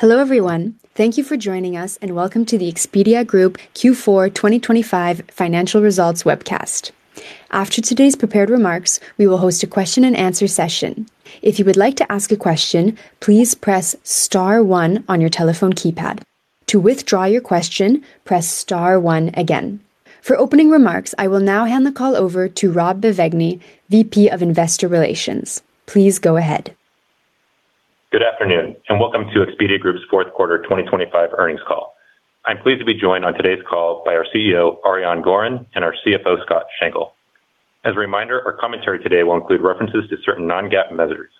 Hello, everyone. Thank you for joining us, and welcome to the Expedia Group Q4 2025 financial results webcast. After today's prepared remarks, we will host a question-and-answer session. If you would like to ask a question, please press star one on your telephone keypad. To withdraw your question, press star one again. For opening remarks, I will now hand the call over to Rob Bevegni, VP of Investor Relations. Please go ahead. Good afternoon, and welcome to Expedia Group's fourth quarter 2025 earnings call. I'm pleased to be joined on today's call by our CEO, Ariane Gorin, and our CFO, Scott Schenkel. As a reminder, our commentary today will include references to certain non-GAAP measures.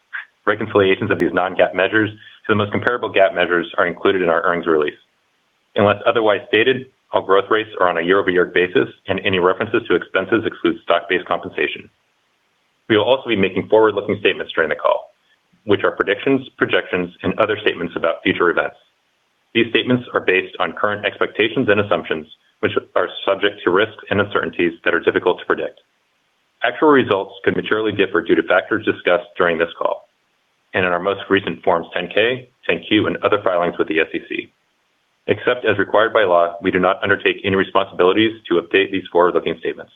Reconciliations of these non-GAAP measures to the most comparable GAAP measures are included in our earnings release. Unless otherwise stated, all growth rates are on a year-over-year basis, and any references to expenses exclude stock-based compensation. We will also be making forward-looking statements during the call, which are predictions, projections, and other statements about future events. These statements are based on current expectations and assumptions, which are subject to risks and uncertainties that are difficult to predict. Actual results could materially differ due to factors discussed during this call and in our most recent Forms 10-K, 10-Q, and other filings with the SEC. Except as required by law, we do not undertake any responsibilities to update these forward-looking statements.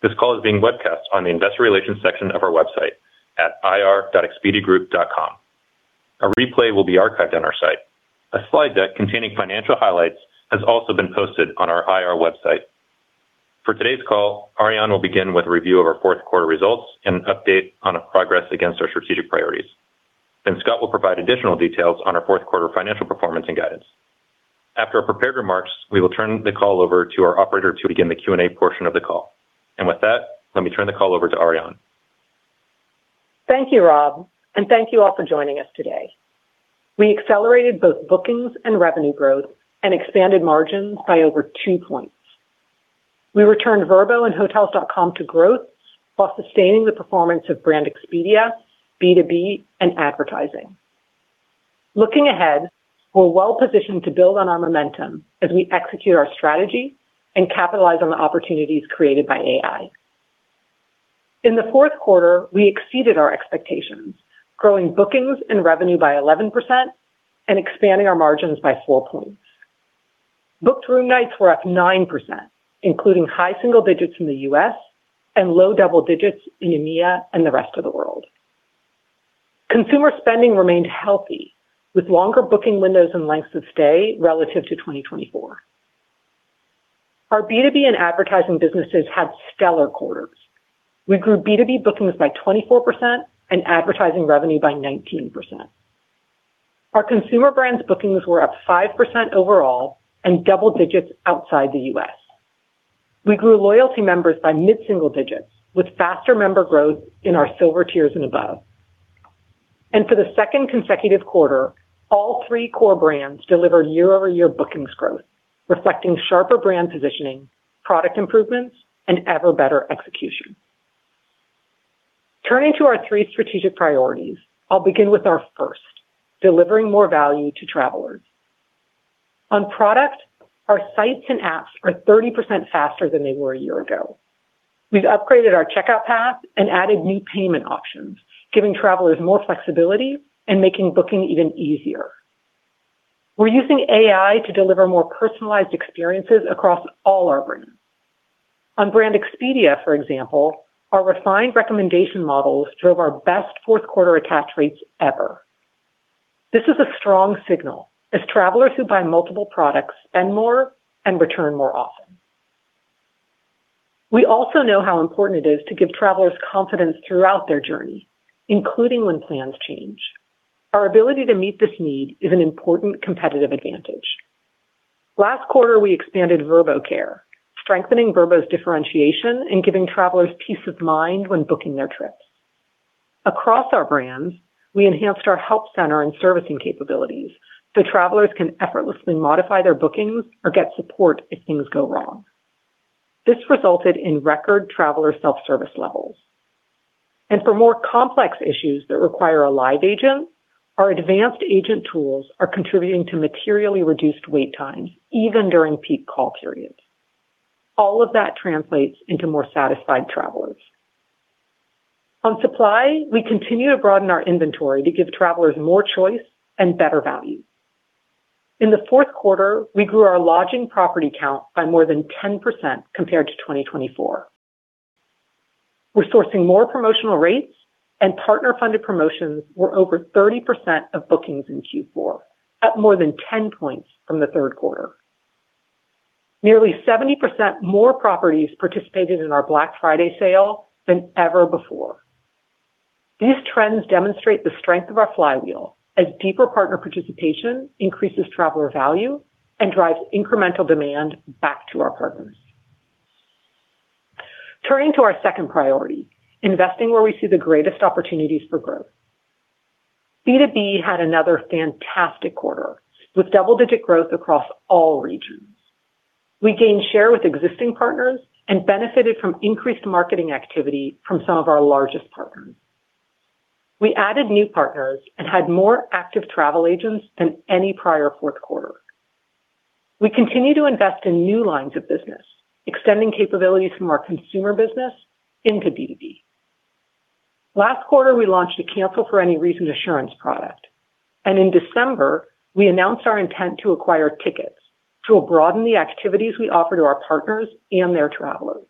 This call is being webcast on the investor relations section of our website at ir.expediagroup.com. A replay will be archived on our site. A slide deck containing financial highlights has also been posted on our IR website. For today's call, Ariane will begin with a review of our fourth quarter results and an update on our progress against our strategic priorities. Then Scott will provide additional details on our fourth quarter financial performance and guidance. After our prepared remarks, we will turn the call over to our operator to begin the Q&A portion of the call. With that, let me turn the call over to Ariane. Thank you, Rob, and thank you all for joining us today. We accelerated both bookings and revenue growth and expanded margins by over two points. We returned Vrbo and Hotels.com to growth while sustaining the performance of Brand Expedia, B2B, and advertising. Looking ahead, we're well positioned to build on our momentum as we execute our strategy and capitalize on the opportunities created by AI. In the fourth quarter, we exceeded our expectations, growing bookings and revenue by 11% and expanding our margins by four points. Booked room nights were up 9%, including high single digits in the U.S. and low double digits in EMEA and the rest of the world. Consumer spending remained healthy, with longer booking windows and lengths of stay relative to 2024. Our B2B and advertising businesses had stellar quarters. We grew B2B bookings by 24% and advertising revenue by 19%. Our consumer brands bookings were up 5% overall and double digits outside the U.S. We grew loyalty members by mid-single digits, with faster member growth in our Silver tiers and above. For the second consecutive quarter, all three core brands delivered year-over-year bookings growth, reflecting sharper brand positioning, product improvements, and ever better execution. Turning to our three strategic priorities, I'll begin with our first: delivering more value to travelers. On product, our sites and apps are 30% faster than they were a year ago. We've upgraded our checkout path and added new payment options, giving travelers more flexibility and making booking even easier. We're using AI to deliver more personalized experiences across all our brands. On Brand Expedia, for example, our refined recommendation models drove our best fourth quarter attach rates ever. This is a strong signal, as travelers who buy multiple products spend more and return more often. We also know how important it is to give travelers confidence throughout their journey, including when plans change. Our ability to meet this need is an important competitive advantage. Last quarter, we expanded Vrbo Care, strengthening Vrbo's differentiation and giving travelers peace of mind when booking their trips. Across our brands, we enhanced our help center and servicing capabilities so travelers can effortlessly modify their bookings or get support if things go wrong. This resulted in record traveler self-service levels. For more complex issues that require a live agent, our advanced agent tools are contributing to materially reduced wait times, even during peak call periods. All of that translates into more satisfied travelers. On supply, we continue to broaden our inventory to give travelers more choice and better value. In the fourth quarter, we grew our lodging property count by more than 10% compared to 2024. We're sourcing more promotional rates, and partner-funded promotions were over 30% of bookings in Q4, up more than 10 points from the third quarter. Nearly 70% more properties participated in our Black Friday sale than ever before. These trends demonstrate the strength of our flywheel as deeper partner participation increases traveler value and drives incremental demand back to our partners. Turning to our second priority, investing where we see the greatest opportunities for growth. B2B had another fantastic quarter, with double-digit growth across all regions. We gained share with existing partners and benefited from increased marketing activity from some of our largest partners. We added new partners and had more active travel agents than any prior fourth quarter. We continue to invest in new lines of business, extending capabilities from our consumer business into B2B. Last quarter, we launched a Cancel for Any Reason assurance product. In December, we announced our intent to acquire Tiqets to broaden the activities we offer to our partners and their travelers.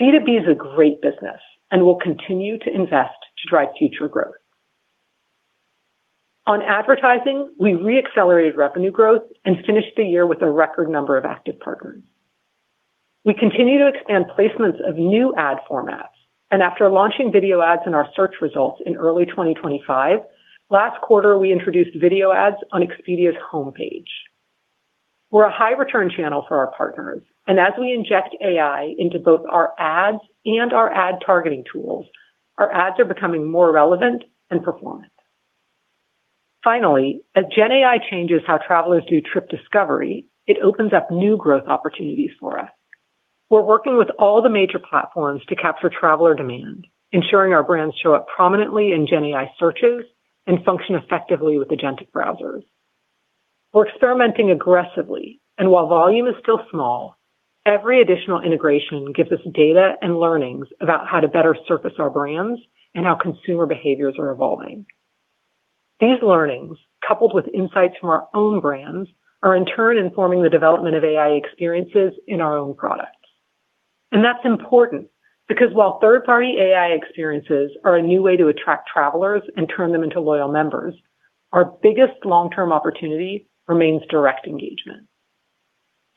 B2B is a great business, and we'll continue to invest to drive future growth. On advertising, we re-accelerated revenue growth and finished the year with a record number of active partners. We continue to expand placements of new ad formats, and after launching video ads in our search results in early 2025, last quarter, we introduced video ads on Expedia's homepage. We're a high return channel for our partners, and as we inject AI into both our ads and our ad targeting tools, our ads are becoming more relevant and performant. Finally, as GenAI changes how travelers do trip discovery, it opens up new growth opportunities for us. We're working with all the major platforms to capture traveler demand, ensuring our brands show up prominently in GenAI searches and function effectively with agentic browsers. We're experimenting aggressively, and while volume is still small, every additional integration gives us data and learnings about how to better surface our brands and how consumer behaviors are evolving. These learnings, coupled with insights from our own brands, are in turn informing the development of AI experiences in our own products. That's important because while third-party AI experiences are a new way to attract travelers and turn them into loyal members, our biggest long-term opportunity remains direct engagement.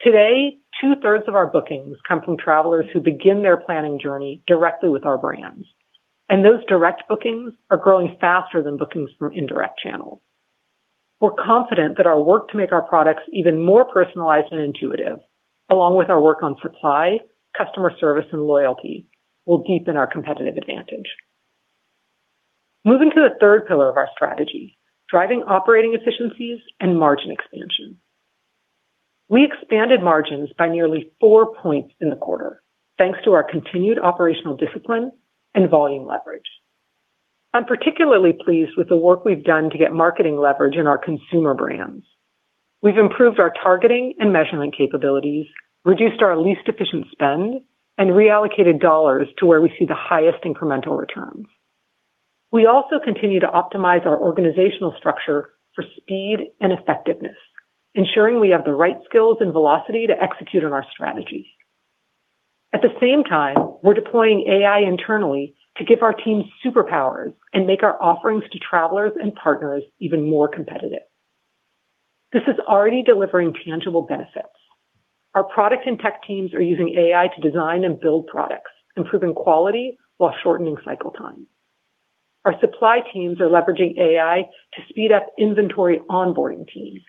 Today, 2/3 of our bookings come from travelers who begin their planning journey directly with our brands, and those direct bookings are growing faster than bookings from indirect channels. We're confident that our work to make our products even more personalized and intuitive, along with our work on supply, customer service, and loyalty, will deepen our competitive advantage. Moving to the third pillar of our strategy, driving operating efficiencies and margin expansion. We expanded margins by nearly four points in the quarter, thanks to our continued operational discipline and volume leverage. I'm particularly pleased with the work we've done to get marketing leverage in our consumer brands. We've improved our targeting and measurement capabilities, reduced our least efficient spend, and reallocated dollars to where we see the highest incremental returns. We also continue to optimize our organizational structure for speed and effectiveness, ensuring we have the right skills and velocity to execute on our strategy. At the same time, we're deploying AI internally to give our teams superpowers and make our offerings to travelers and partners even more competitive. This is already delivering tangible benefits. Our product and tech teams are using AI to design and build products, improving quality while shortening cycle time. Our supply teams are leveraging AI to speed up inventory onboarding teams,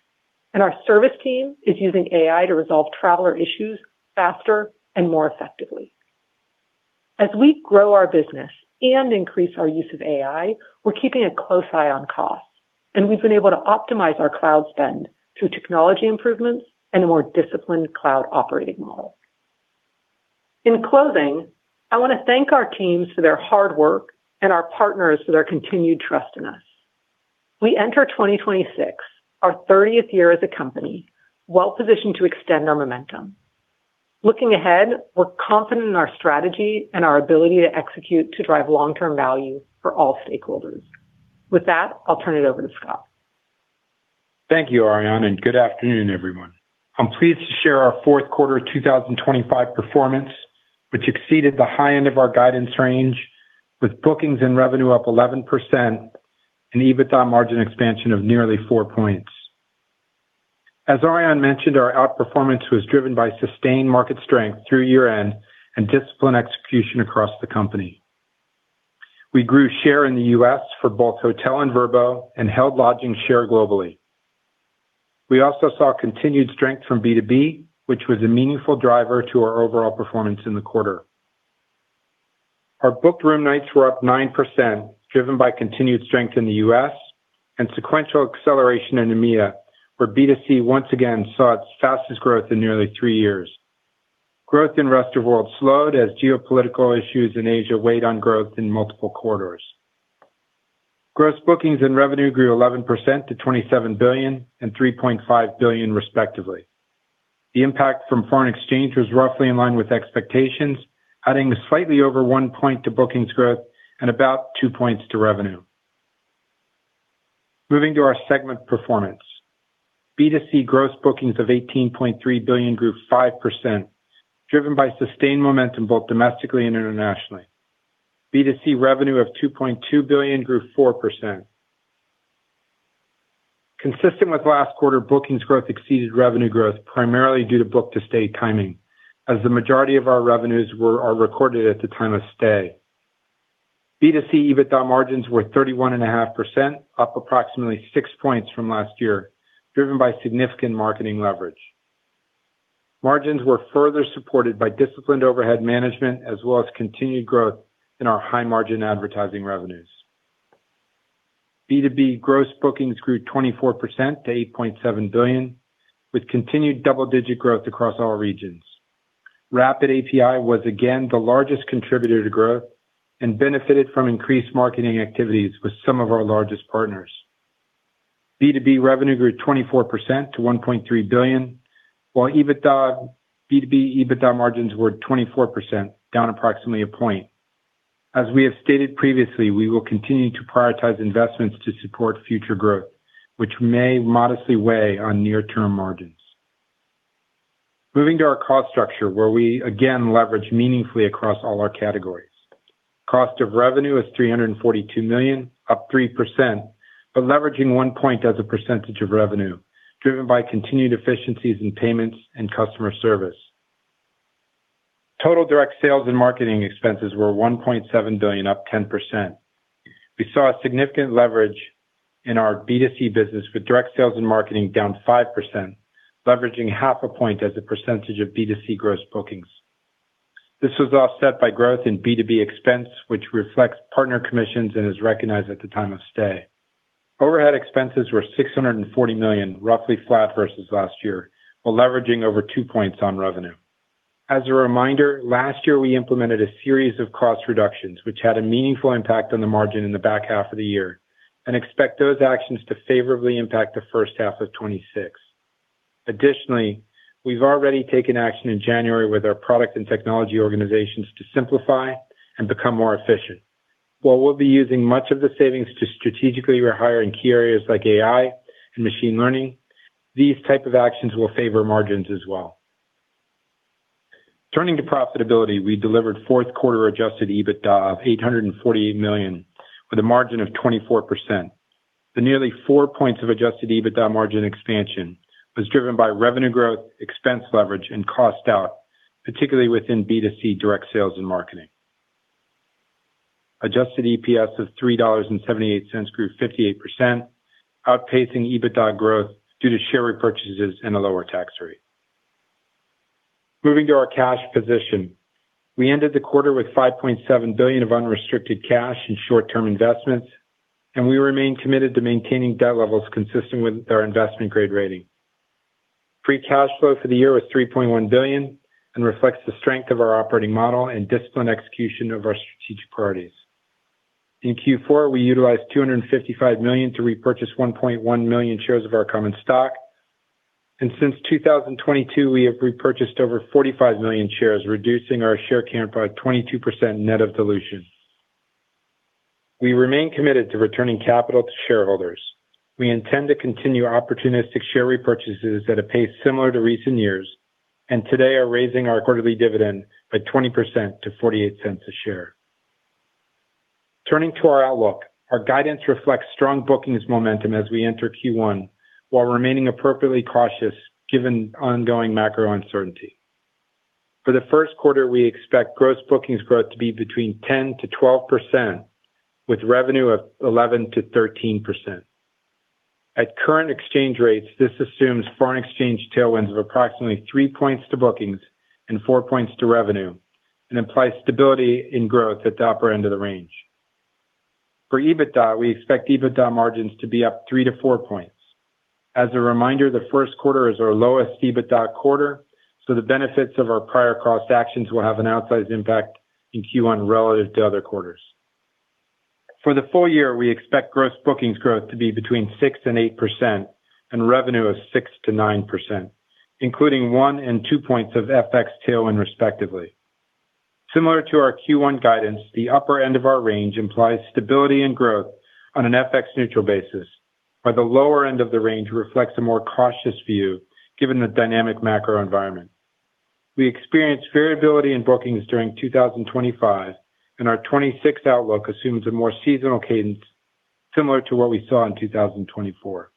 and our service team is using AI to resolve traveler issues faster and more effectively. As we grow our business and increase our use of AI, we're keeping a close eye on costs, and we've been able to optimize our cloud spend through technology improvements and a more disciplined cloud operating model. In closing, I want to thank our teams for their hard work and our partners for their continued trust in us. We enter 2026, our 30th year as a company, well-positioned to extend our momentum. Looking ahead, we're confident in our strategy and our ability to execute to drive long-term value for all stakeholders. With that, I'll turn it over to Scott. Thank you, Ariane, and good afternoon, everyone. I'm pleased to share our fourth quarter of 2025 performance, which exceeded the high end of our guidance range, with bookings and revenue up 11% and EBITDA margin expansion of nearly four points. As Ariane mentioned, our outperformance was driven by sustained market strength through year-end and disciplined execution across the company. We grew share in the U.S. for both hotel and Vrbo and held lodging share globally. We also saw continued strength from B2B, which was a meaningful driver to our overall performance in the quarter. Our booked room nights were up 9%, driven by continued strength in the U.S. and sequential acceleration in EMEA, where B2C once again saw its fastest growth in nearly three years. Growth in rest of world slowed as geopolitical issues in Asia weighed on growth in multiple quarters. Gross bookings and revenue grew 11% to $27 billion and $3.5 billion, respectively. The impact from foreign exchange was roughly in line with expectations, adding slightly over one point to bookings growth and about two points to revenue. Moving to our segment performance. B2C gross bookings of $18.3 billion grew 5%, driven by sustained momentum both domestically and internationally. B2C revenue of $2.2 billion grew 4%. Consistent with last quarter, bookings growth exceeded revenue growth, primarily due to book-to-stay timing, as the majority of our revenues are recorded at the time of stay. B2C EBITDA margins were 31.5%, up approximately six points from last year, driven by significant marketing leverage. Margins were further supported by disciplined overhead management, as well as continued growth in our high-margin advertising revenues. B2B gross bookings grew 24% to $8.7 billion, with continued double-digit growth across all regions. Rapid API was again the largest contributor to growth and benefited from increased marketing activities with some of our largest partners. B2B revenue grew 24% to $1.3 billion, while EBITDA, B2B EBITDA margins were 24%, down approximately 1 point. As we have stated previously, we will continue to prioritize investments to support future growth, which may modestly weigh on near-term margins. Moving to our cost structure, where we again leverage meaningfully across all our categories. Cost of revenue is $342 million, up 3%, but leveraging one point as a percentage of revenue, driven by continued efficiencies in payments and customer service. Total direct sales and marketing expenses were $1.7 billion, up 10%. We saw a significant leverage in our B2C business, with direct sales and marketing down 5%, leveraging half a point as a percentage of B2C gross bookings. This was offset by growth in B2B expense, which reflects partner commissions and is recognized at the time of stay. Overhead expenses were $640 million, roughly flat versus last year, while leveraging over two points on revenue. As a reminder, last year, we implemented a series of cost reductions, which had a meaningful impact on the margin in the back half of the year and expect those actions to favorably impact the first half of 2026. Additionally, we've already taken action in January with our product and technology organizations to simplify and become more efficient. While we'll be using much of the savings to strategically rehire in key areas like AI and machine learning, these type of actions will favor margins as well. Turning to profitability, we delivered fourth quarter adjusted EBITDA of $848 million, with a margin of 24%. The nearly four points of adjusted EBITDA margin expansion was driven by revenue growth, expense leverage, and cost out, particularly within B2C direct sales and marketing. Adjusted EPS of $3.78 grew 58%, outpacing EBITDA growth due to share repurchases and a lower tax rate. Moving to our cash position. We ended the quarter with $5.7 billion of unrestricted cash and short-term investments, and we remain committed to maintaining debt levels consistent with our investment-grade rating. Free cash flow for the year was $3.1 billion and reflects the strength of our operating model and disciplined execution of our strategic priorities. In Q4, we utilized $255 million to repurchase 1.1 million shares of our common stock, and since 2022, we have repurchased over 45 million shares, reducing our share count by 22% net of dilution. We remain committed to returning capital to shareholders. We intend to continue opportunistic share repurchases at a pace similar to recent years, and today are raising our quarterly dividend by 20% to $0.48 a share. Turning to our outlook. Our guidance reflects strong bookings momentum as we enter Q1, while remaining appropriately cautious given ongoing macro uncertainty. For the first quarter, we expect gross bookings growth to be between 10%-12%, with revenue of 11%-13%. At current exchange rates, this assumes foreign exchange tailwinds of approximately three points to bookings and four points to revenue and implies stability in growth at the upper end of the range. For EBITDA, we expect EBITDA margins to be up three to four points. As a reminder, the first quarter is our lowest EBITDA quarter, so the benefits of our prior cost actions will have an outsized impact in Q1 relative to other quarters. For the full-year, we expect gross bookings growth to be between 6%-8% and revenue of 6%-9%, including one to two points of FX tailwind, respectively. Similar to our Q1 guidance, the upper end of our range implies stability and growth on an FX neutral basis, while the lower end of the range reflects a more cautious view, given the dynamic macro environment. We experienced variability in bookings during 2025, and our 2026 outlook assumes a more seasonal cadence, similar to what we saw in 2024.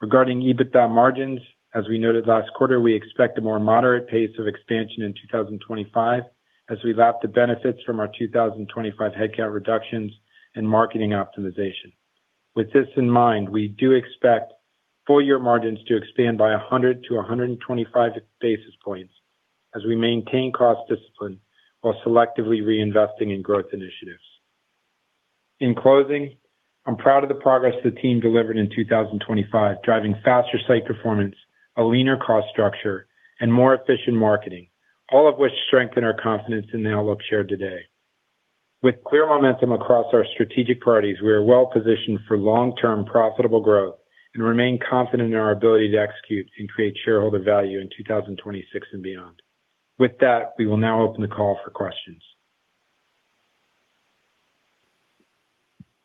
Regarding EBITDA margins, as we noted last quarter, we expect a more moderate pace of expansion in 2025 as we lap the benefits from our 2025 headcount reductions and marketing optimization. With this in mind, we do expect full-year margins to expand by 100-125 basis points as we maintain cost discipline while selectively reinvesting in growth initiatives. In closing, I'm proud of the progress the team delivered in 2025, driving faster site performance, a leaner cost structure, and more efficient marketing, all of which strengthen our confidence in the outlook shared today. With clear momentum across our strategic priorities, we are well positioned for long-term profitable growth and remain confident in our ability to execute and create shareholder value in 2026 and beyond. With that, we will now open the call for questions.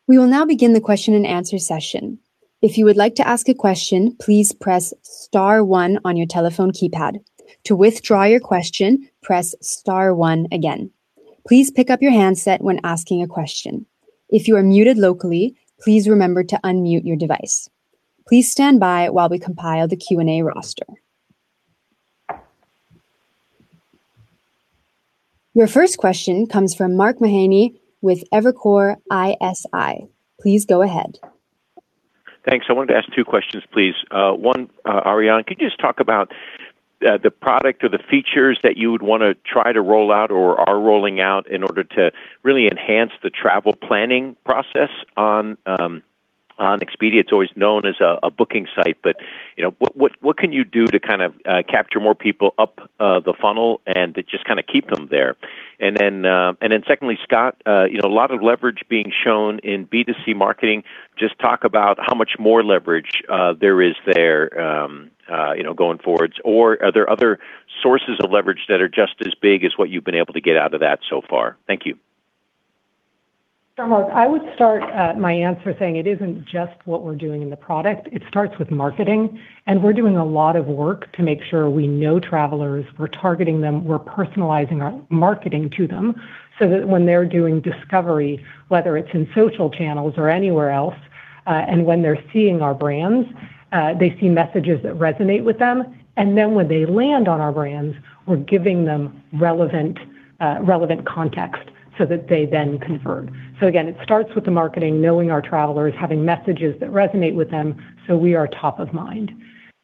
We will now begin the question-and-answer session. If you would like to ask a question, please press star one on your telephone keypad. To withdraw your question, press star one again. Please pick up your handset when asking a question. If you are muted locally, please remember to unmute your device. Please stand by while we compile the Q&A roster. Your first question comes from Mark Mahaney with Evercore ISI. Please go ahead. Thanks. I wanted to ask two questions, please. One, Ariane, could you just talk about the product or the features that you would want to try to roll out or are rolling out in order to really enhance the travel planning process on, on Expedia? It's always known as a, a booking site, but, you know, what can you do to kind of capture more people up the funnel and to just kind of keep them there? And then, and then secondly, Scott, you know, a lot of leverage being shown in B2C marketing. Just talk about how much more leverage there is there, you know, going forward. Or are there other sources of leverage that are just as big as what you've been able to get out of that so far? Thank you. So Mark, I would start my answer saying it isn't just what we're doing in the product, it starts with marketing, and we're doing a lot of work to make sure we know travelers. We're targeting them, we're personalizing our marketing to them so that when they're doing discovery, whether it's in social channels or anywhere else, and when they're seeing our brands, they see messages that resonate with them. And then when they land on our brands, we're giving them relevant, relevant context so that they then convert. So again, it starts with the marketing, knowing our travelers, having messages that resonate with them, so we are top of mind.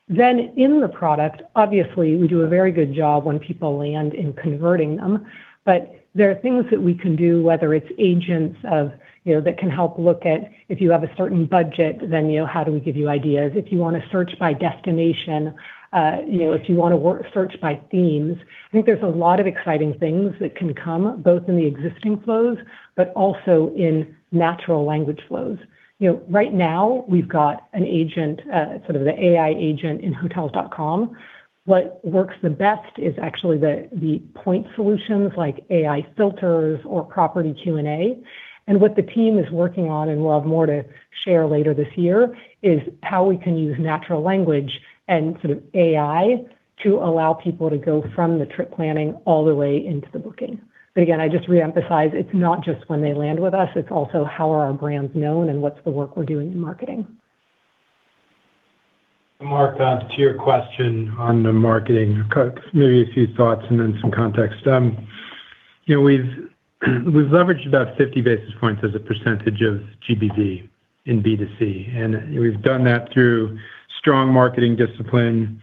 Then in the product, obviously, we do a very good job when people land in converting them, but there are things that we can do, whether it's agents of, you know, that can help look at if you have a certain budget, then, you know, how do we give you ideas? If you want to search by destination, you know, if you want to search by themes. I think there's a lot of exciting things that can come, both in the existing flows, but also in natural language flows. You know, right now, we've got an agent, sort of the AI agent in Hotels.com. What works the best is actually the point solutions like AI filters or property Q&A. What the team is working on, and we'll have more to share later this year, is how we can use natural language and sort of AI to allow people to go from the trip planning all the way into the booking. But again, I just re-emphasize, it's not just when they land with us, it's also how are our brands known and what's the work we're doing in marketing. Mark, to your question on the marketing, maybe a few thoughts and then some context. You know, we've leveraged about 50 basis points as a percentage of GBV in B2C, and we've done that through strong marketing discipline,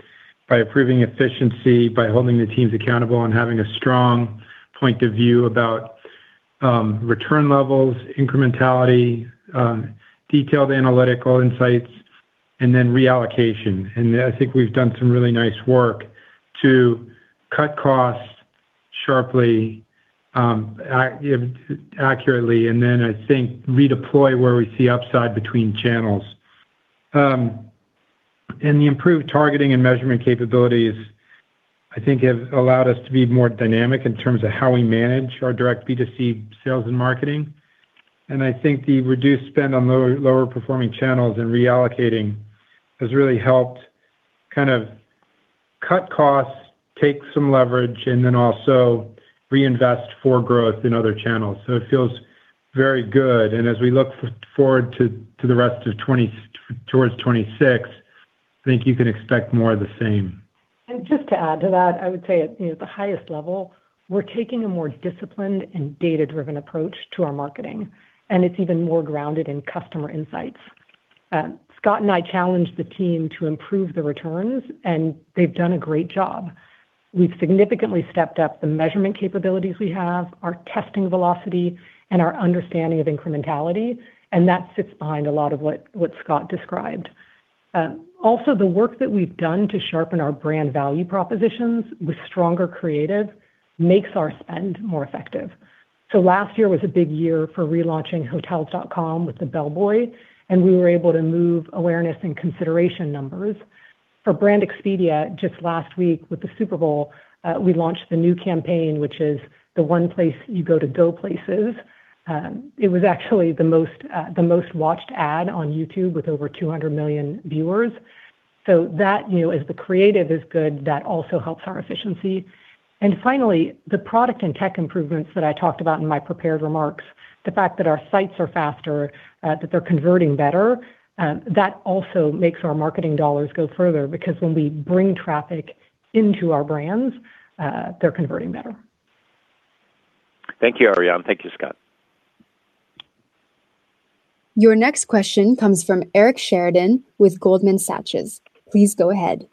by improving efficiency, by holding the teams accountable, and having a strong point of view about return levels, incrementality, detailed analytical insights, and then reallocation. And I think we've done some really nice work to cut costs sharply, accurately, and then I think redeploy where we see upside between channels. And the improved targeting and measurement capabilities, I think, have allowed us to be more dynamic in terms of how we manage our direct B2C sales and marketing. I think the reduced spend on lower, lower performing channels and reallocating has really helped kind of cut costs, take some leverage, and then also reinvest for growth in other channels. So it feels very good. And as we look forward to the rest of 2025 towards 2026, I think you can expect more of the same. Just to add to that, I would say at, you know, the highest level, we're taking a more disciplined and data-driven approach to our marketing, and it's even more grounded in customer insights. Scott and I challenged the team to improve the returns, and they've done a great job. We've significantly stepped up the measurement capabilities we have, our testing velocity, and our understanding of incrementality, and that sits behind a lot of what Scott described. Also, the work that we've done to sharpen our brand value propositions with stronger creative makes our spend more effective. So last year was a big year for relaunching Hotels.com with the Bellboy, and we were able to move awareness and consideration numbers. For Brand Expedia, just last week with the Super Bowl, we launched the new campaign, which is the one place you go to go places. It was actually the most, the most watched ad on YouTube with over 200 million viewers. So that, you know, as the creative is good, that also helps our efficiency. And finally, the product and tech improvements that I talked about in my prepared remarks, the fact that our sites are faster, that they're converting better, that also makes our marketing dollars go further, because when we bring traffic into our brands, they're converting better. Thank you, Ariane. Thank you, Scott. Your next question comes from Eric Sheridan with Goldman Sachs. Please go ahead.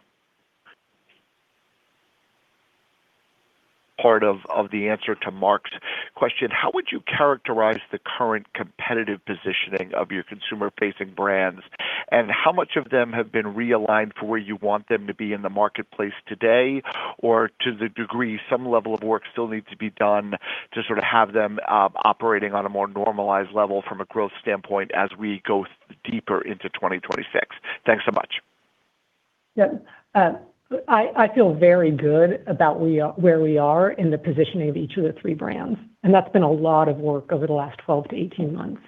Part of the answer to Mark's question, how would you characterize the current competitive positioning of your consumer-facing brands? And how much of them have been realigned for where you want them to be in the marketplace today, or to the degree some level of work still needs to be done to sort of have them operating on a more normalized level from a growth standpoint as we go deeper into 2026? Thanks so much. Yeah, I feel very good about where we are in the positioning of each of the three brands, and that's been a lot of work over the last 12-18 months.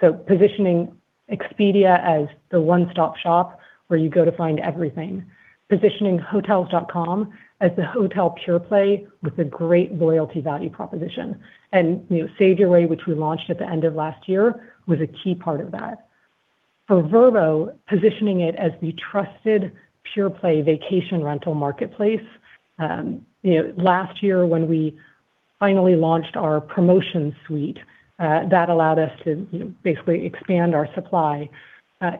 So positioning Expedia as the one-stop shop where you go to find everything, positioning Hotels.com as the hotel pure play with a great loyalty value proposition. And, you know, Save Your Way, which we launched at the end of last year, was a key part of that. For Vrbo, positioning it as the trusted pure play vacation rental marketplace, you know, last year, when we finally launched our promotion suite, that allowed us to, you know, basically expand our supply.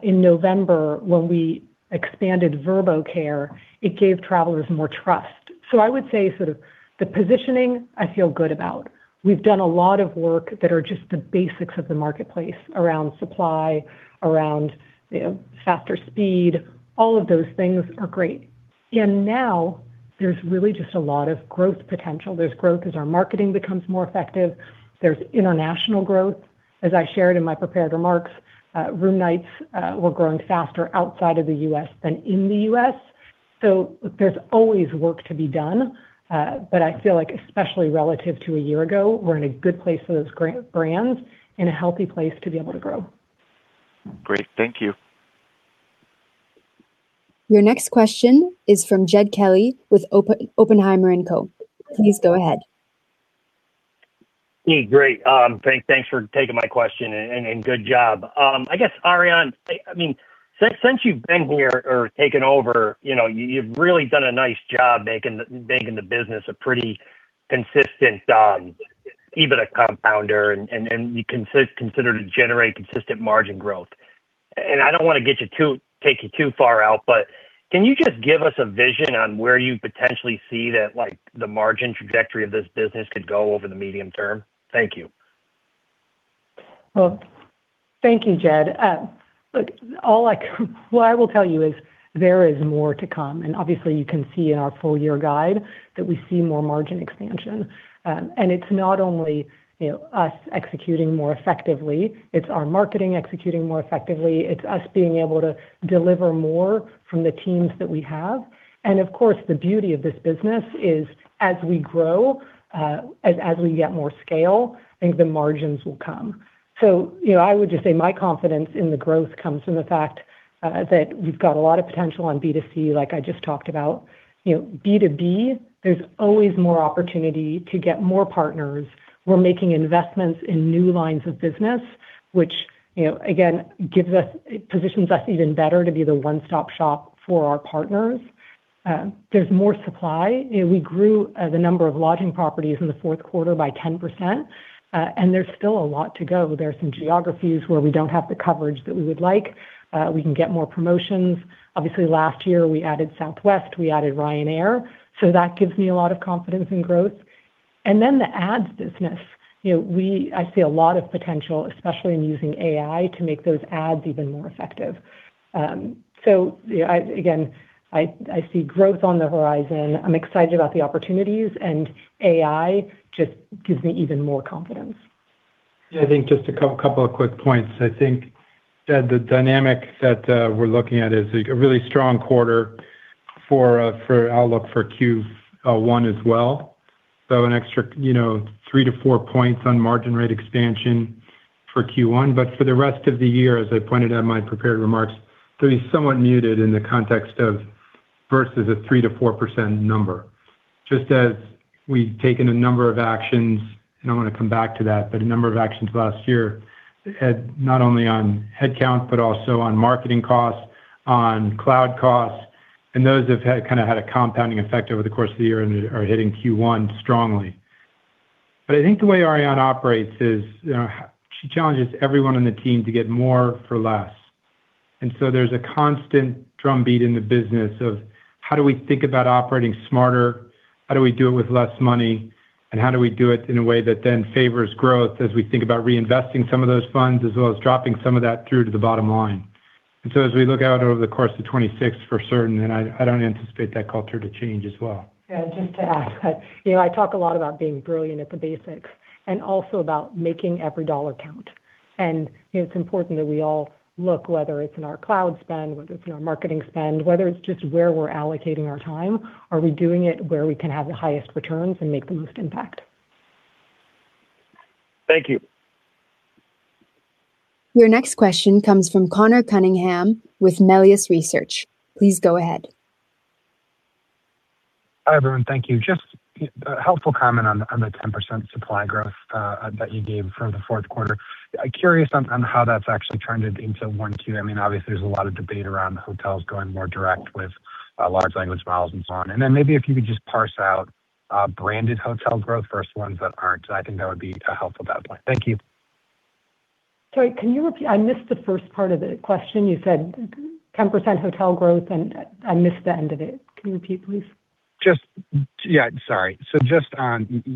In November, when we expanded Vrbo Care, it gave travelers more trust... So I would say sort of the positioning I feel good about. We've done a lot of work that are just the basics of the marketplace around supply, around, you know, faster speed. All of those things are great. And now there's really just a lot of growth potential. There's growth as our marketing becomes more effective. There's international growth. As I shared in my prepared remarks, room nights were growing faster outside of the U.S. than in the U.S. So there's always work to be done, but I feel like especially relative to a year ago, we're in a good place for those great brands and a healthy place to be able to grow. Great. Thank you. Your next question is from Jed Kelly with Oppenheimer & Co.. Please go ahead. Hey, great. Thanks, thanks for taking my question, and good job. I guess, Ariane, I mean, since you've been here or taken over, you know, you've really done a nice job making the business a pretty consistent, even a compounder, and you consider to generate consistent margin growth. I don't want to take you too far out, but can you just give us a vision on where you potentially see that, like, the margin trajectory of this business could go over the medium term? Thank you. Well, thank you, Jed. Look, all I can-- what I will tell you is there is more to come, and obviously you can see in our full-year guide that we see more margin expansion. And it's not only, you know, us executing more effectively, it's our marketing executing more effectively, it's us being able to deliver more from the teams that we have. And of course, the beauty of this business is as we grow, as we get more scale, I think the margins will come. So, you know, I would just say my confidence in the growth comes from the fact that we've got a lot of potential on B2C, like I just talked about. You know, B2B, there's always more opportunity to get more partners. We're making investments in new lines of business, which, you know, again, gives us. It positions us even better to be the one-stop shop for our partners. There's more supply. You know, we grew the number of lodging properties in the fourth quarter by 10%, and there's still a lot to go. There are some geographies where we don't have the coverage that we would like. We can get more promotions. Obviously, last year, we added Southwest, we added Ryanair, so that gives me a lot of confidence in growth. And then the ads business. You know, we. I see a lot of potential, especially in using AI, to make those ads even more effective. So, you know, I again, I, I see growth on the horizon. I'm excited about the opportunities, and AI just gives me even more confidence. Yeah, I think just a couple of quick points. I think that the dynamic that we're looking at is a really strong quarter for outlook for Q1 as well. So an extra, you know, three to four points on margin rate expansion for Q1. But for the rest of the year, as I pointed out in my prepared remarks, to be somewhat muted in the context of versus a 3%-4% number. Just as we've taken a number of actions, and I want to come back to that, but a number of actions last year, not only on headcount, but also on marketing costs, on cloud costs, and those have kinda had a compounding effect over the course of the year and are hitting Q1 strongly. But I think the way Ariane operates is, she challenges everyone on the team to get more for less. And so there's a constant drumbeat in the business of: how do we think about operating smarter? How do we do it with less money? And how do we do it in a way that then favors growth as we think about reinvesting some of those funds, as well as dropping some of that through to the bottom line? And so as we look out over the course of 2026 for certain, and I don't anticipate that culture to change as well. Yeah, just to add, you know, I talk a lot about being brilliant at the basics and also about making every dollar count. You know, it's important that we all look, whether it's in our cloud spend, whether it's in our marketing spend, whether it's just where we're allocating our time, are we doing it where we can have the highest returns and make the most impact? Thank you. Your next question comes from Conor Cunningham with Melius Research. Please go ahead. Hi, everyone. Thank you. Just a helpful comment on the 10% supply growth that you gave for the fourth quarter. I'm curious on how that's actually turned into one, two. I mean, obviously, there's a lot of debate around hotels going more direct with large language models and so on. And then maybe if you could just parse out branded hotel growth versus ones that aren't. I think that would be a helpful data point. Thank you. Sorry, can you repeat? I missed the first part of the question. You said 10% hotel growth, and I, I missed the end of it. Can you repeat, please? Just... Yeah, sorry. So just,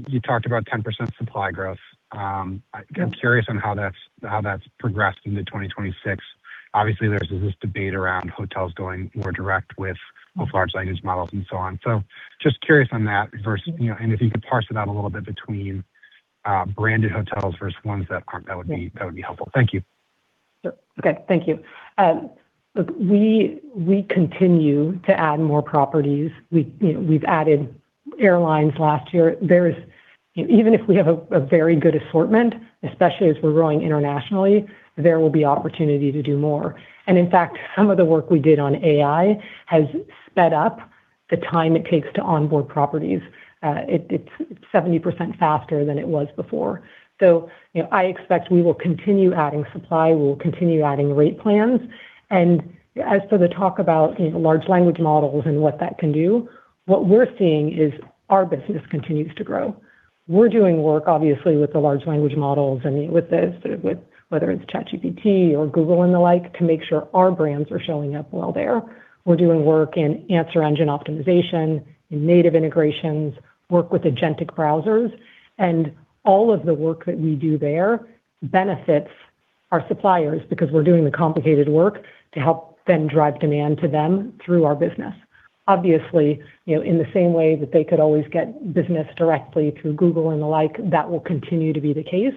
you talked about 10% supply growth. I'm curious on how that's progressed into 2026. Obviously, there's this debate around hotels going more direct with both large language models and so on. So just curious on that versus, you know, and if you could parse it out a little bit between branded hotels versus ones that aren't, that would be, that would be helpful. Thank you. Yep. Okay. Thank you. Look, we continue to add more properties. You know, we've added airlines last year. There is, even if we have a very good assortment, especially as we're growing internationally, there will be opportunity to do more. And in fact, some of the work we did on AI has sped up the time it takes to onboard properties. It, it's 70% faster than it was before. So, you know, I expect we will continue adding supply, we will continue adding rate plans. And as for the talk about large language models and what that can do, what we're seeing is our business continues to grow. We're doing work, obviously, with the large language models and with this, with whether it's ChatGPT or Google and the like, to make sure our brands are showing up well there. We're doing work in answer engine optimization, in native integrations, work with agentic browsers, and all of the work that we do there benefits our suppliers, because we're doing the complicated work to help them drive demand to them through our business. Obviously, you know, in the same way that they could always get business directly through Google and the like, that will continue to be the case.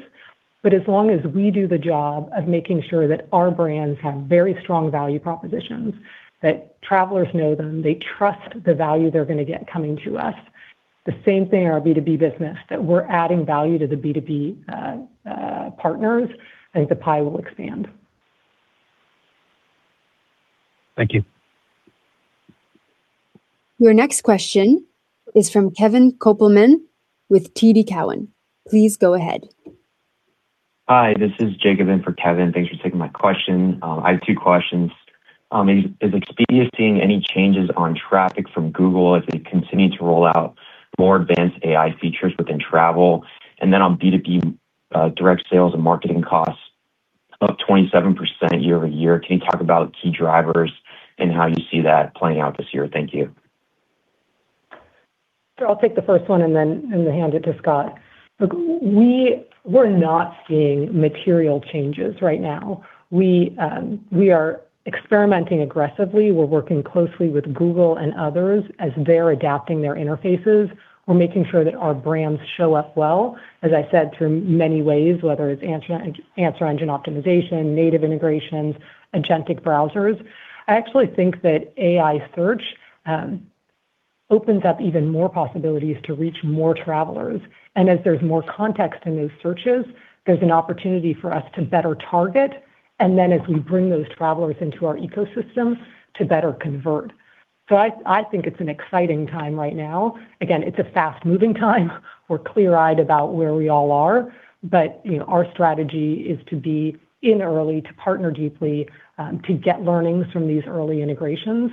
But as long as we do the job of making sure that our brands have very strong value propositions, that travelers know them, they trust the value they're going to get coming to us, the same thing in our B2B business, that we're adding value to the B2B partners, I think the pie will expand. Thank you. Your next question is from Kevin Kopelman with TD Cowen. Please go ahead. Hi, this is Jacob in for Kevin. Thanks for taking my question. I have two questions. Is, is Expedia seeing any changes on traffic from Google as they continue to roll out more advanced AI features within travel? And then on B2B, direct sales and marketing costs up 27% year-over-year. Can you talk about key drivers and how you see that playing out this year? Thank you. Sure. I'll take the first one and then hand it to Scott. Look, we're not seeing material changes right now. We are experimenting aggressively. We're working closely with Google and others as they're adapting their interfaces. We're making sure that our brands show up well, as I said, through many ways, whether it's answer engine optimization, native integrations, agentic browsers. I actually think that AI search opens up even more possibilities to reach more travelers. And as there's more context in those searches, there's an opportunity for us to better target, and then as we bring those travelers into our ecosystem, to better convert. So I think it's an exciting time right now. Again, it's a fast-moving time. We're clear-eyed about where we all are, but, you know, our strategy is to be in early, to partner deeply, to get learnings from these early integrations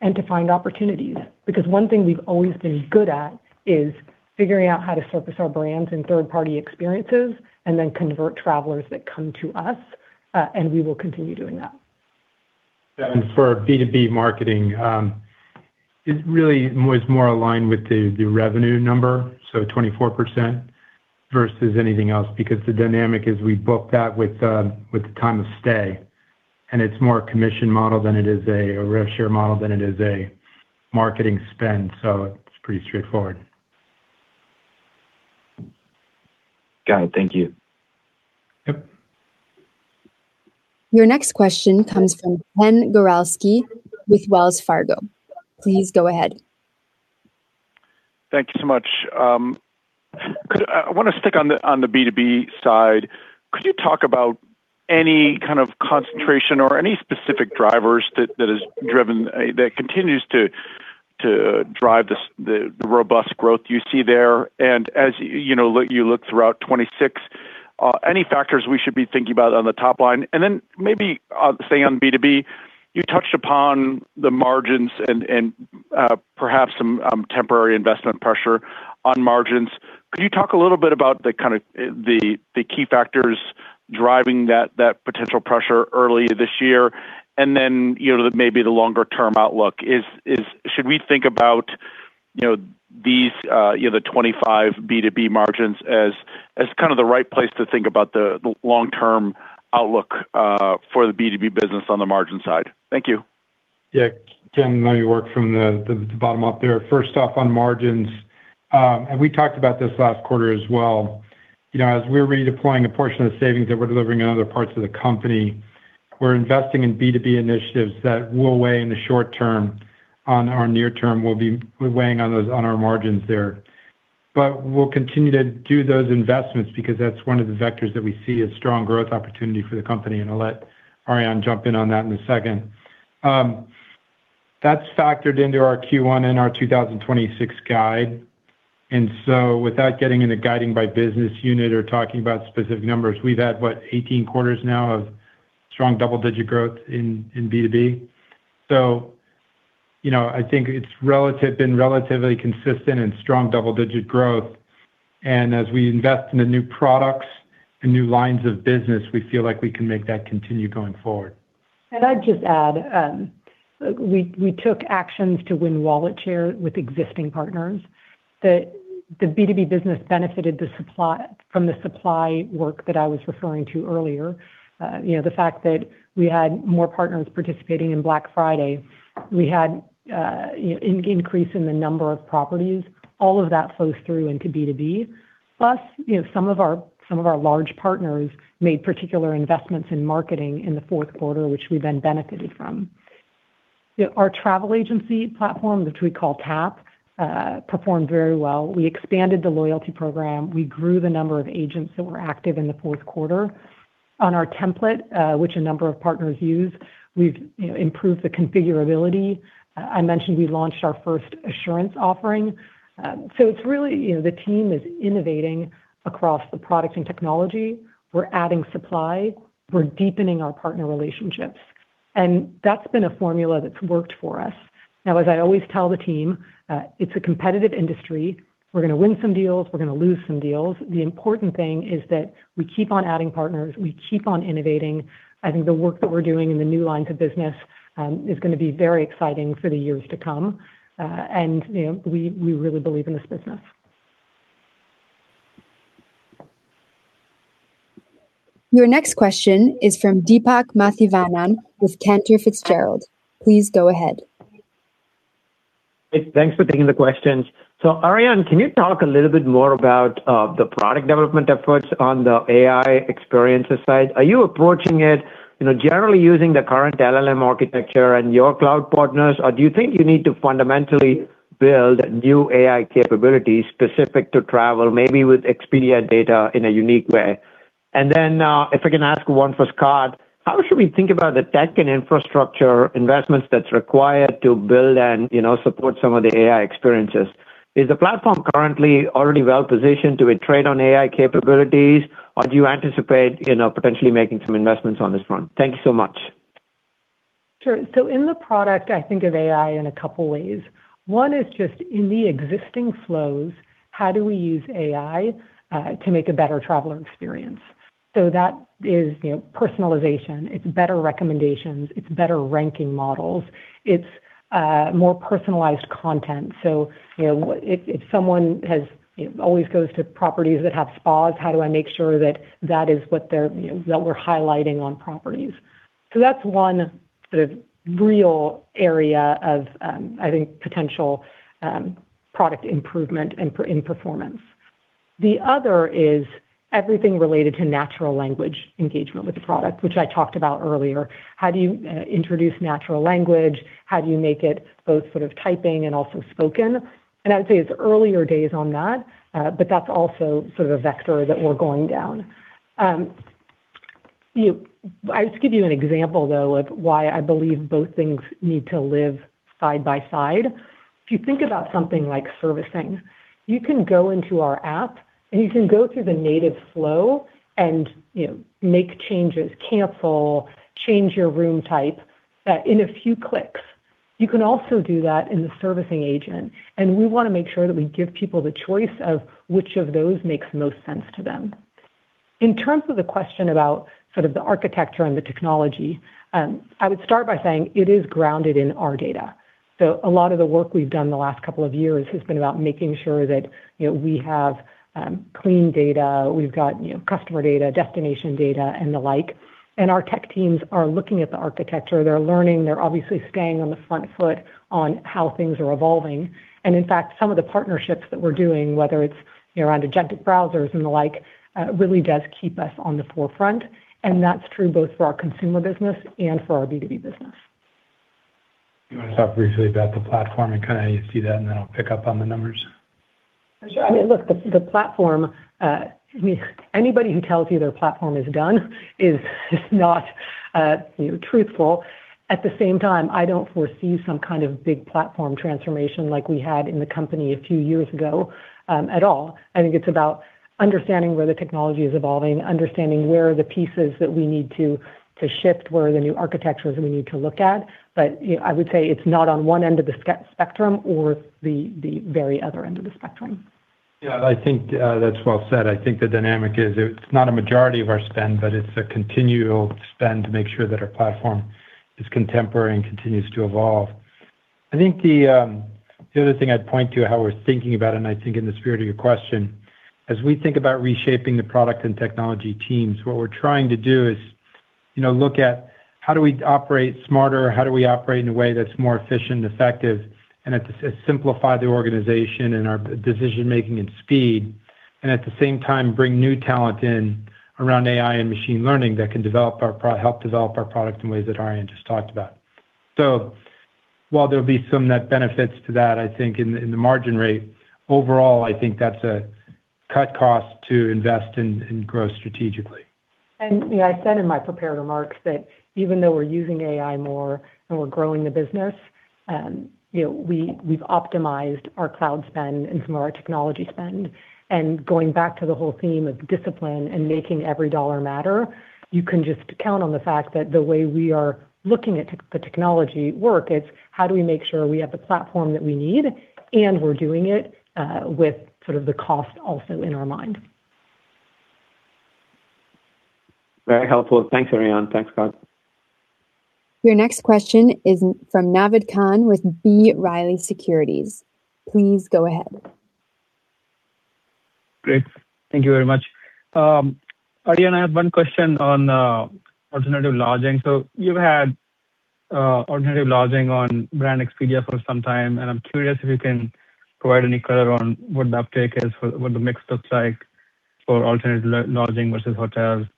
and to find opportunities. Because one thing we've always been good at is figuring out how to surface our brands in third-party experiences and then convert travelers that come to us, and we will continue doing that. For B2B marketing, it really was more aligned with the revenue number, so 24%, versus anything else, because the dynamic is we book that with, with the time of stay, and it's more a commission model than it is a rev share model than it is a marketing spend, so it's pretty straightforward. Got it. Thank you. Yep. Your next question comes from Ken Gawrelski with Wells Fargo. Please go ahead. Thank you so much. I want to stick on the B2B side. Could you talk about any kind of concentration or any specific drivers that continues to drive this robust growth you see there? And as you know, you look throughout 2026, any factors we should be thinking about on the top line? And then maybe, staying on B2B, you touched upon the margins and perhaps some temporary investment pressure on margins. Could you talk a little bit about the key factors driving that potential pressure early this year, and then, you know, maybe the longer-term outlook? Should we think about, you know, these, you know, the 25 B2B margins as kind of the right place to think about the long-term outlook for the B2B business on the margin side? Thank you. Yeah. Ken, let me work from the bottom up there. First off, on margins, and we talked about this last quarter as well. You know, as we're redeploying a portion of the savings that we're delivering in other parts of the company, we're investing in B2B initiatives that will weigh in the short term on our near term, will be weighing on those, on our margins there. But we'll continue to do those investments because that's one of the vectors that we see as strong growth opportunity for the company, and I'll let Ariane jump in on that in a second. That's factored into our Q1 and our 2026 guide, and so without getting into guiding by business unit or talking about specific numbers, we've had, what, 18 quarters now of strong double-digit growth in B2B. You know, I think it's been relatively consistent and strong double-digit growth, and as we invest in the new products and new lines of business, we feel like we can make that continue going forward. I'd just add, we took actions to win wallet share with existing partners, that the B2B business benefited from the supply work that I was referring to earlier. You know, the fact that we had more partners participating in Black Friday, we had an increase in the number of properties, all of that flows through into B2B. Plus, you know, some of our large partners made particular investments in marketing in the fourth quarter, which we then benefited from. Our travel agency platform, which we call TAAP, performed very well. We expanded the loyalty program. We grew the number of agents that were active in the fourth quarter. On our template, which a number of partners use, we've, you know, improved the configurability. I mentioned we launched our first assurance offering. So it's really, you know, the team is innovating across the product and technology. We're adding supply. We're deepening our partner relationships, and that's been a formula that's worked for us. Now, as I always tell the team, it's a competitive industry. We're going to win some deals, we're going to lose some deals. The important thing is that we keep on adding partners, we keep on innovating. I think the work that we're doing in the new lines of business is going to be very exciting for the years to come. And, you know, we really believe in this business. Your next question is from Deepak Mathivanan with Cantor Fitzgerald. Please go ahead. Hey, thanks for taking the questions. So, Ariane, can you talk a little bit more about, the product development efforts on the AI experiences side? Are you approaching it, you know, generally using the current LLM architecture and your cloud partners, or do you think you need to fundamentally build new AI capabilities specific to travel, maybe with Expedia data in a unique way? And then, if I can ask one for Scott: How should we think about the tech and infrastructure investments that's required to build and, you know, support some of the AI experiences? Is the platform currently already well-positioned to trade on AI capabilities, or do you anticipate, you know, potentially making some investments on this front? Thank you so much. Sure. So in the product, I think of AI in a couple ways. One is just in the existing flows, how do we use AI to make a better traveler experience? So that is, you know, personalization, it's better recommendations, it's better ranking models, it's more personalized content. So, you know, if someone has always goes to properties that have spas, how do I make sure that that is what they're, you know, what we're highlighting on properties? So that's one sort of real area of, I think, potential product improvement and performance. The other is everything related to natural language engagement with the product, which I talked about earlier. How do you introduce natural language? How do you make it both sort of typing and also spoken? I would say it's earlier days on that, but that's also sort of a vector that we're going down. I'll just give you an example, though, of why I believe both things need to live side by side. If you think about something like servicing, you can go into our app, and you can go through the native flow and, you know, make changes, cancel, change your room type, that in a few clicks. You can also do that in the servicing agent, and we want to make sure that we give people the choice of which of those makes the most sense to them. In terms of the question about sort of the architecture and the technology, I would start by saying it is grounded in our data. So a lot of the work we've done the last couple of years has been about making sure that, you know, we have clean data, we've got, you know, customer data, destination data, and the like. And our tech teams are looking at the architecture. They're learning. They're obviously staying on the front foot on how things are evolving. And in fact, some of the partnerships that we're doing, whether it's, you know, around agentic browsers and the like, really does keep us on the forefront, and that's true both for our consumer business and for our B2B business. You want to talk briefly about the platform and kind of how you see that, and then I'll pick up on the numbers? Sure. I mean, look, the platform, I mean, anybody who tells you their platform is done is not, you know, truthful. At the same time, I don't foresee some kind of big platform transformation like we had in the company a few years ago, at all. I think it's about understanding where the technology is evolving, understanding where are the pieces that we need to shift, where are the new architectures that we need to look at. But, you know, I would say it's not on one end of the spectrum or the very other end of the spectrum. Yeah, I think that's well said. I think the dynamic is, it's not a majority of our spend, but it's a continual spend to make sure that our platform is contemporary and continues to evolve. I think the other thing I'd point to, how we're thinking about, and I think in the spirit of your question, as we think about reshaping the product and technology teams, what we're trying to do is, you know, look at how do we operate smarter, how do we operate in a way that's more efficient and effective, and at the same time, simplify the organization and our decision-making and speed, and at the same time, bring new talent in around AI and machine learning that can help develop our product in ways that Ariane just talked about. While there'll be some net benefits to that, I think in the margin rate, overall, I think that's a cut cost to invest and grow strategically. You know, I said in my prepared remarks that even though we're using AI more and we're growing the business, you know, we, we've optimized our cloud spend and some of our technology spend. Going back to the whole theme of discipline and making every dollar matter, you can just count on the fact that the way we are looking at tech, the technology work, it's how do we make sure we have the platform that we need, and we're doing it, with sort of the cost also in our mind. Very helpful. Thanks, Ariane. Thanks, Scott. Your next question is from Naved Khan with B. Riley Securities. Please go ahead. Great. Thank you very much. Ariane, I have one question on alternative lodging. So you've had alternative lodging on Brand Expedia for some time, and I'm curious if you can provide any color on what the uptake is, what the mix looks like for alternative lodging versus hotels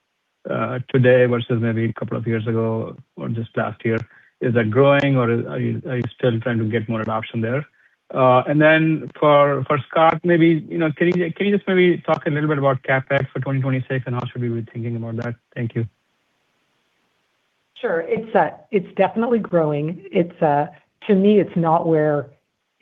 today versus maybe a couple of years ago or just last year. Is that growing or are you still trying to get more adoption there? And then for Scott, maybe, you know, can you just maybe talk a little bit about CapEx for 2026 and how should we be thinking about that? Thank you. Sure. It's, it's definitely growing. It's, to me, it's not where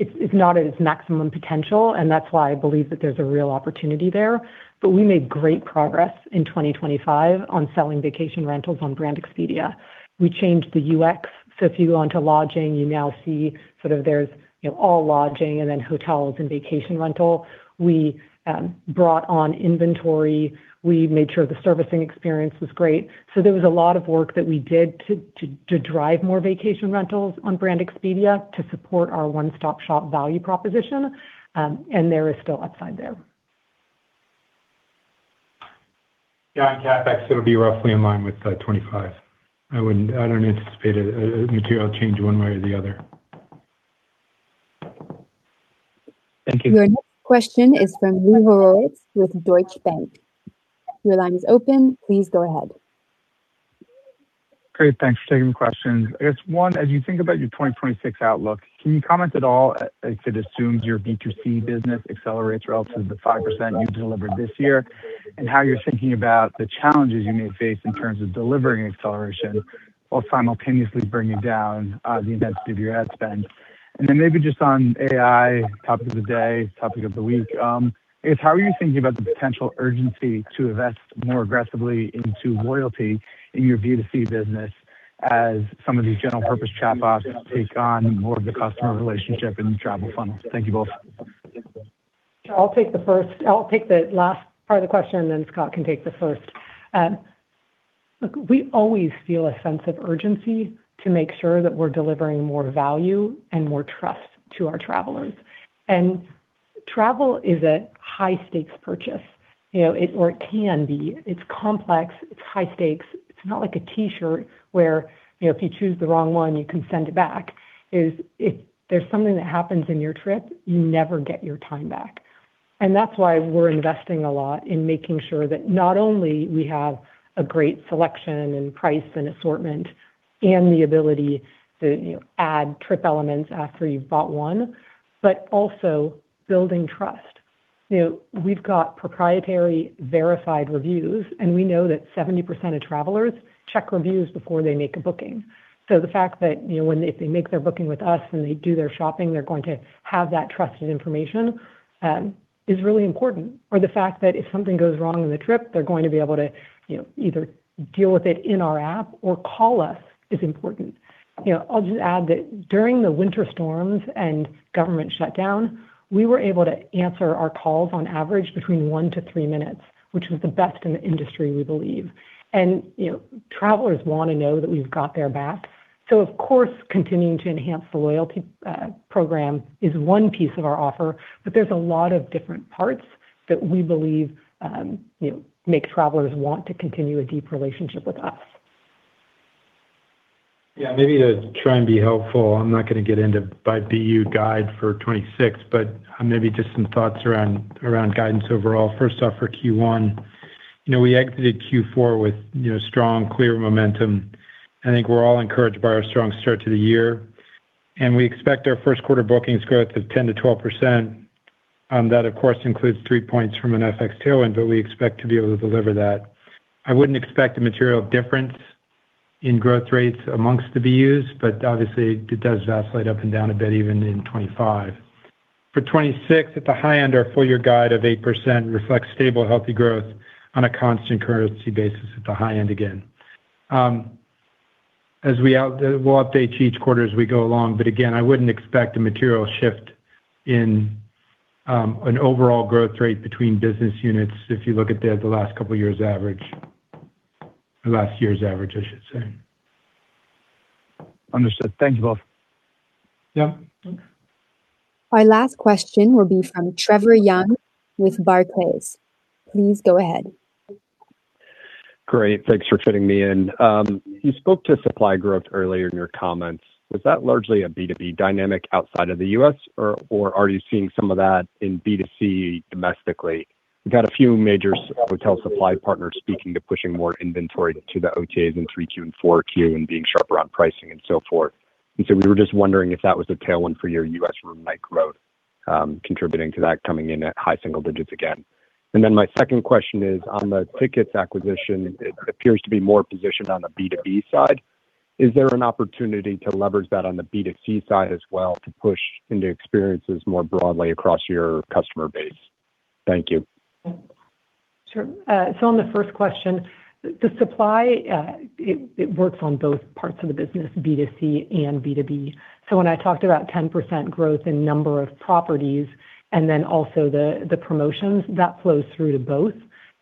it's, it's not at its maximum potential, and that's why I believe that there's a real opportunity there. But we made great progress in 2025 on selling vacation rentals on Brand Expedia. We changed the UX. So if you go onto lodging, you now see sort of there's, you know, all lodging and then hotels and vacation rental. We brought on inventory. We made sure the servicing experience was great. So there was a lot of work that we did to drive more vacation rentals on Brand Expedia to support our one-stop-shop value proposition, and there is still upside there. Yeah, on CapEx, it'll be roughly in line with 2025. I don't anticipate a material change one way or the other. Thank you. Your next question is from Lee Horowitz with Deutsche Bank. Your line is open. Please go ahead. Great. Thanks for taking the questions. I guess, one, as you think about your 2026 outlook, can you comment at all, if it assumes your B2C business accelerates relative to the 5% you've delivered this year, and how you're thinking about the challenges you may face in terms of delivering acceleration while simultaneously bringing down, the intensity of your ad spend? And then maybe just on AI, topic of the day, topic of the week, is how are you thinking about the potential urgency to invest more aggressively into loyalty in your B2C business as some of these general-purpose chatbots take on more of the customer relationship in the travel funnel? Thank you both. I'll take the first. I'll take the last part of the question, and then Scott can take the first. Look, we always feel a sense of urgency to make sure that we're delivering more value and more trust to our travelers. And travel is a high-stakes purchase, you know, it, or it can be. It's complex, it's high stakes. It's not like a T-shirt, where, you know, if you choose the wrong one, you can send it back. If there's something that happens in your trip, you never get your time back. And that's why we're investing a lot in making sure that not only we have a great selection, and price, and assortment, and the ability to, you know, add trip elements after you've bought one, but also building trust. You know, we've got proprietary verified reviews, and we know that 70% of travelers check reviews before they make a booking. So the fact that, you know, when they—if they make their booking with us and they do their shopping, they're going to have that trusted information is really important. Or the fact that if something goes wrong on the trip, they're going to be able to, you know, either deal with it in our app or call us is important. You know, I'll just add that during the winter storms and government shutdown, we were able to answer our calls on average between one to three minutes, which was the best in the industry, we believe. And, you know, travelers want to know that we've got their back. So, of course, continuing to enhance the loyalty program is one piece of our offer, but there's a lot of different parts that we believe, you know, make travelers want to continue a deep relationship with us. Yeah, maybe to try and be helpful, I'm not going to get into by BU guide for 2026, but maybe just some thoughts around guidance overall. First off, for Q1, you know, we exited Q4 with, you know, strong, clear momentum. I think we're all encouraged by our strong start to the year, and we expect our first quarter bookings growth of 10%-12%. That of course includes three points from an FX tailwind, but we expect to be able to deliver that. I wouldn't expect a material difference in growth rates amongst the BUs, but obviously, it does oscillate up and down a bit, even in 2025. For 2026, at the high end, our full-year guide of 8% reflects stable, healthy growth on a constant currency basis at the high end again. We'll update each quarter as we go along, but again, I wouldn't expect a material shift in an overall growth rate between business units if you look at the last couple of years' average. Or last year's average, I should say. Understood. Thank you both. Yeah. Our last question will be from Trevor Young with Barclays. Please go ahead. Great. Thanks for fitting me in. You spoke to supply growth earlier in your comments. Was that largely a B2B dynamic outside of the U.S. or, or are you seeing some of that in B2C domestically? We've got a few major hotel supply partners speaking to pushing more inventory to the OTAs in 3Q and 4Q, and being sharper on pricing and so forth. And so we were just wondering if that was a tailwind for your U.S. room night growth, contributing to that coming in at high single digits again. And then my second question is, on the Tiqets acquisition, it appears to be more positioned on the B2B side. Is there an opportunity to leverage that on the B2C side as well, to push into experiences more broadly across your customer base? Thank you. Sure. So on the first question, the supply, it works on both parts of the business, B2C and B2B. So when I talked about 10% growth in number of properties and then also the promotions, that flows through to both.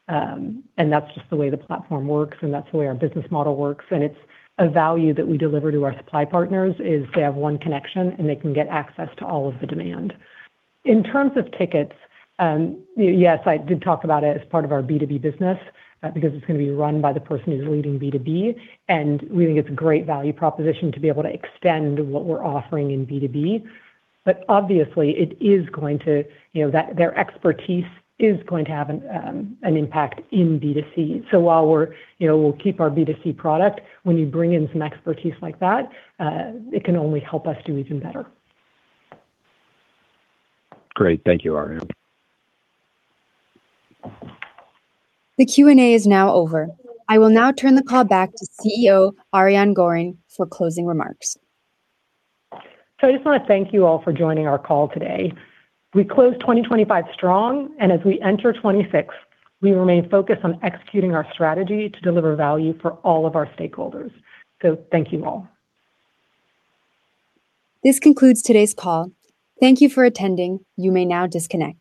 And that's just the way the platform works, and that's the way our business model works, and it's a value that we deliver to our supply partners, is they have one connection, and they can get access to all of the demand. In terms of Tiqets, yes, I did talk about it as part of our B2B business, because it's going to be run by the person who's leading B2B, and we think it's a great value proposition to be able to extend what we're offering in B2B. But obviously, it is going to... You know, that their expertise is going to have an impact in B2C. So while we're, you know, we'll keep our B2C product, when you bring in some expertise like that, it can only help us do even better. Great. Thank you, Ariane. The Q&A is now over. I will now turn the call back to CEO, Ariane Gorin, for closing remarks. I just want to thank you all for joining our call today. We closed 2025 strong, and as we enter 2026, we remain focused on executing our strategy to deliver value for all of our stakeholders. Thank you all. This concludes today's call. Thank you for attending. You may now disconnect.